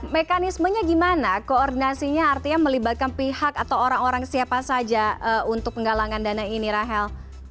mekanismenya gimana koordinasinya artinya melibatkan pihak atau orang orang siapa saja untuk penggalangan dana ini rahel